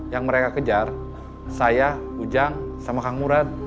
yang mereka kejar saya ujang sama kang murad